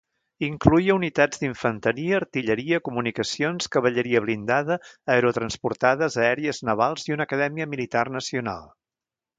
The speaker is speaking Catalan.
Incloïa unitats d'infanteria, artilleria, comunicacions, cavalleria blindada, aerotransportades, aèries, navals i una acadèmia militar nacional.